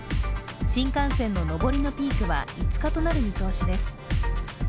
新幹線の上りのピークは５日となる見通しです。